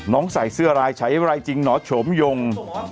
น้องใส่เสื้อลายใช้อะไรจริงหนอโฉมยง